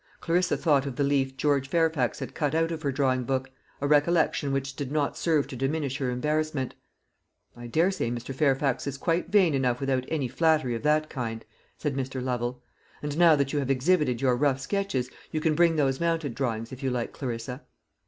Clarissa thought of the leaf George Fairfax had cut out of her drawing book; a recollection which did not serve to diminish her embarrassment. "I daresay Mr. Fairfax is quite vain enough without any flattery of that kind," said Mr. Lovel. "And now that you have exhibited your rough sketches, you can bring those mounted drawings, if you like, Clarissa."